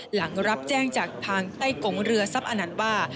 หลังรับแจ้งจากทางใต้กงเรือทรัพย์อนันต์ว่า